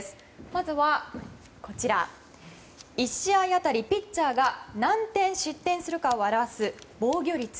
まずは１試合当たりピッチャーが何点失点するかを表す防御率。